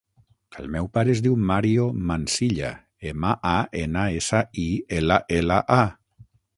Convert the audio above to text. El meu pare es diu Mario Mansilla: ema, a, ena, essa, i, ela, ela, a.